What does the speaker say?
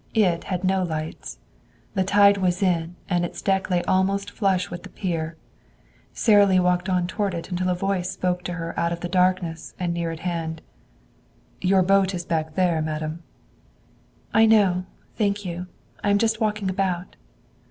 It had no lights. The tide was in, and its deck lay almost flush with the pier. Sara Lee walked on toward it until a voice spoke to her out of the darkness and near at hand. "Your boat is back there, madam." "I know. Thank you. I am just walking about."